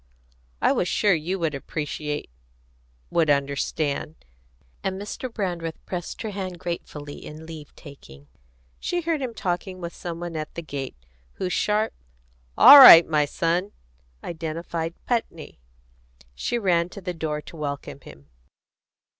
"I was sure you would appreciate would understand;" and Mr. Brandreth pressed her hand gratefully in leave taking. She heard him talking with some one at the gate, whose sharp, "All right, my son!" identified Putney. She ran to the door to welcome him.